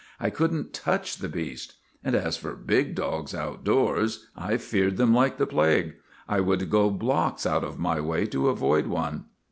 I couldn't touch the beast. And as for big dogs outdoors, I feared them like the plague. I would go blocks out of my way to avoid one.